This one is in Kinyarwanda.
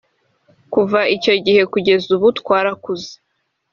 kuva icyo gihe kugeza ubu twarakuze